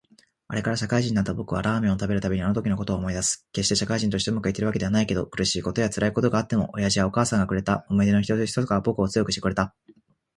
あれから、社会人になった僕はラーメンを食べるたびにあのときのことを思い出す。決して社会人として上手くいっているわけではないけど、苦しいことや辛いことがあっても親父やお母さんがくれた思い出の一つ一つが僕を強くしてくれた。